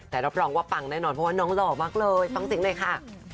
แต่เราพร้อมว่าปังแน่นอนเพราะว่าน้องหล่อมากเลยฟังสิ้นด้วยค่ะ